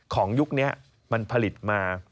ยุคนี้มันผลิตมา